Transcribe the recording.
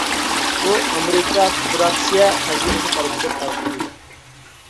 ئۇ ئامېرىكا فېدېراتسىيە خەزىنىسى تەرىپىدىن تارقىتىلىدۇ.